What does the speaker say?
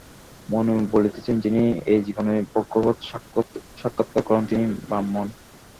মনু বলিতেছেন, যিনি এই জীবনেই ভগবৎ-সাক্ষাৎকার করেন, তিনিই ব্রাহ্মণ।